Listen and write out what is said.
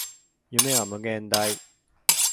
夢は無限大